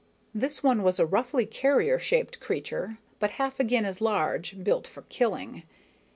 This one was a roughly carrier shaped creature, but half again as large, built for killing.